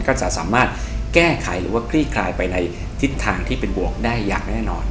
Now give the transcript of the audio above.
ก็จะสามารถแก้ไขหรือว่าคลี่คลายไปในทิศทางที่เป็นบวกได้อย่างแน่นอน